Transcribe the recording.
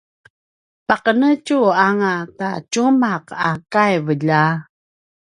paqenetju anga ta tjumaq a kaiv lja!